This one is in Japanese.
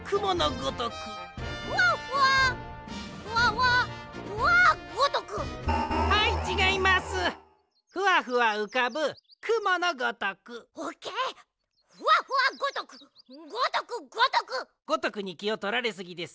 ごとくにきをとられすぎです。